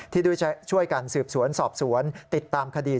ด้วยช่วยกันสืบสวนสอบสวนติดตามคดี